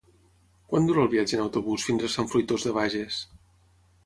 Quant dura el viatge en autobús fins a Sant Fruitós de Bages?